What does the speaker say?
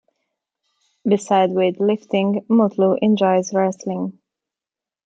Beside weightlifting, Mutlu enjoys wrestling.